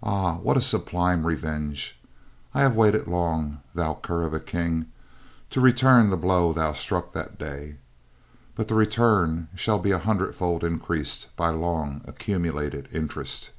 Ah, what a sublime revenge! I have waited long, thou cur of a King, to return the blow thou struck that day, but the return shall be an hundred fold increased by long accumulated interest."